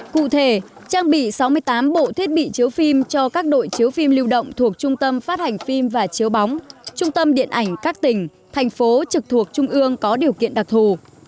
cụ thể trang bị sáu mươi tám bộ thiết bị chiếu phim cho các đội chiếu phim lưu động thuộc trung tâm phát hành phim và chiếu bóng trung tâm điện ảnh các tỉnh thành phố trực thuộc trung ương có điều kiện đặc thù